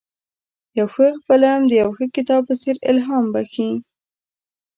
یو ښه فلم د یو ښه کتاب په څېر الهام بخښي.